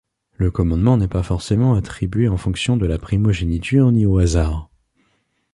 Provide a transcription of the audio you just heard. Le commandement n'est pas forcément attribué en fonction de la primogéniture ni au hasard.